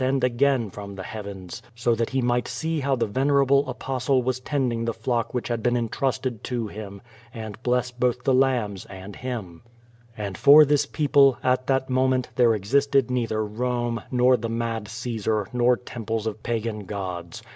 eond again fnmi the heavens so that He might see how the venerable Apostle was tending the tlock which bad been entrusted to him, and bles's both the hmibs and him. I64 Q^O VADI8. And for this people, at that moment, there existed neither Rome, nor the mad Caesar, nor temples of pagan gods.